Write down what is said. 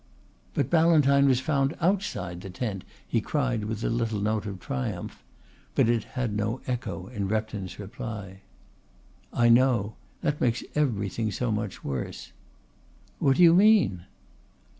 "But Ballantyne was found outside the tent," he cried with a little note of triumph. But it had no echo in Repton's reply. "I know. That makes everything so much worse." "What do you mean?"